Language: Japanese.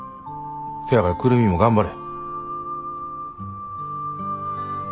せやから久留美も頑張れ。